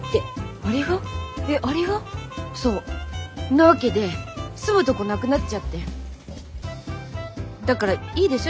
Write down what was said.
なわけで住むとこなくなっちゃってだからいいでしょ？